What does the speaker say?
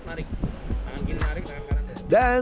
tangan kiri narik tangan kanan lain